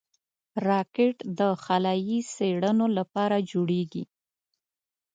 راکټ د خلایي څېړنو لپاره جوړېږي